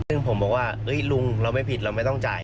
ซึ่งผมบอกว่าลุงเราไม่ผิดเราไม่ต้องจ่าย